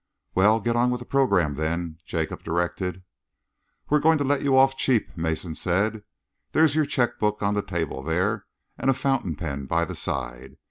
"Well, get on with the programme, then," Jacob directed. "We're going to let you off cheap," Mason said. "There's your cheque book on the table there, and a fountain pen by the side.